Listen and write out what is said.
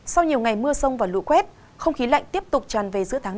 sau nhiều ngày mưa sông và lũ quét không khí lạnh tiếp tục tràn về giữa tháng năm